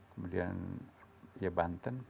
kemudian ya banten